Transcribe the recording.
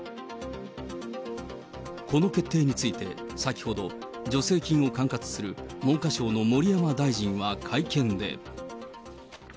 この決定について、先ほど、助成金を管轄する文科省の盛山大臣は会見で。